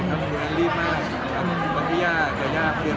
แต่วันนั้นไม่ได้ถ่ายรูปทุกกันเลยใช่ไหมครับ